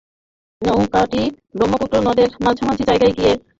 নৌকাটি ব্রহ্মপুত্র নদের মাঝামাঝি জায়গায় গিয়ে প্রচণ্ড স্রোতের কারণে ডুবে যায়।